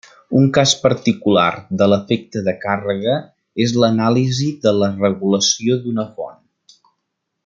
Un cas particular de l'efecte de càrrega és l'anàlisi de la regulació d'una font.